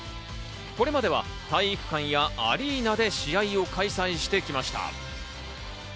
これまでは体育館やアリーナで試合を開催してきました。